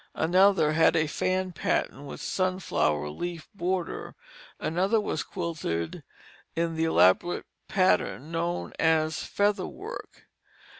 Another had a fan pattern with sunflower leaf border; another was quilted in the elaborate pattern known as "feather work."